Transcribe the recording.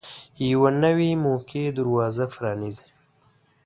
یوه نوې موقع دروازه پرانیزي.